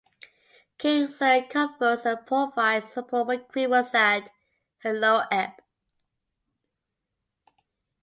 King Sir comforts and provides support when Queen was at her low ebb.